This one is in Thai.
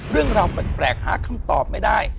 เรื่องราวแปลกหาคำตอบไม่ได้